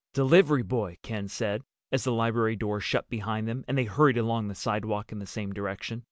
"Delivery boy," Ken said, as the library door shut behind them and they hurried along the sidewalk in the same direction.